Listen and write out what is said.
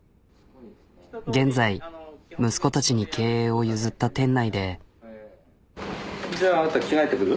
現在息子たちに経営を譲った店内で。